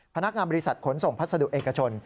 พนักงานบริษัทขนส่งพัสดุเอกชน